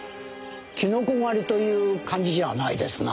キノコ狩りという感じじゃないですな。